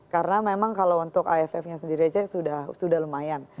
karena memang kalau untuk iff nya sendiri aja sudah lumayan